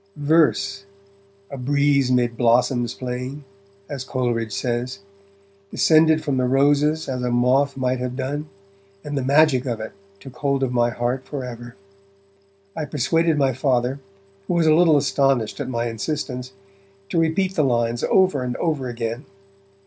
Verse, 'a breeze mid blossoms playing', as Coleridge says, descended from the roses as a moth might have done, and the magic of it took hold of my heart forever. I persuaded my Father, who was a little astonished at my insistence, to repeat the lines over and over again.